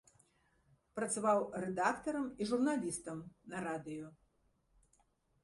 Працаваў рэдактарам і журналістам на радыё.